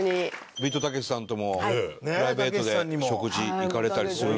ビートたけしさんともプライベートで食事行かれたりするんですね。